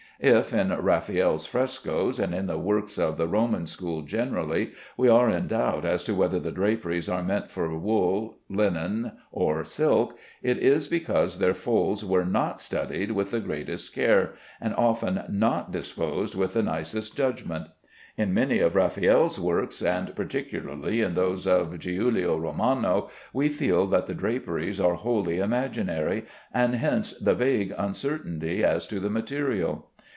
If in Raffaelle's frescoes, and in the works of the Roman school generally, we are in doubt as to whether the draperies are meant for wool, linen, or silk, it is because their folds were not "studied with the greatest care," and often not "disposed with the nicest judgment." In many of Raffaelle's works, and particularly in those of Giulio Romano, we feel that the draperies are wholly imaginary, and hence the vague uncertainty as to the material.